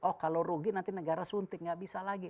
oh kalau rugi nanti negara suntik nggak bisa lagi